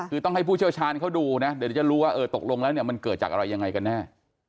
คือต้องให้ผู้เชี่ยวชาญเขาดูนะเดี๋ยวจะรู้ว่าเออตกลงแล้วเนี่ยมันเกิดจากอะไรยังไงกันแน่